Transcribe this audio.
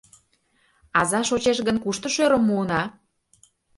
Аза шочеш гын, кушто шӧрым муына?